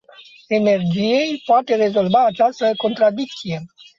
Carta energiei poate rezolva această contradicție.